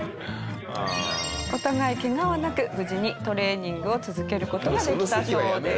お互いケガはなく無事にトレーニングを続ける事ができたそうです。